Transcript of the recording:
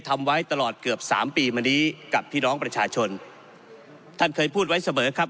ทำไว้ตลอดเกือบสามปีมานี้กับพี่น้องประชาชนท่านเคยพูดไว้เสมอครับ